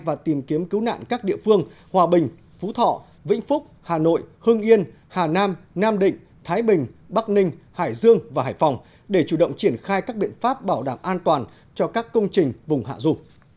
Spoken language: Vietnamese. hà nam nam định thái bình bắc ninh hải dương và hải phòng để chủ động triển khai các biện pháp bảo đảm an toàn cho các công trình vùng hạ rù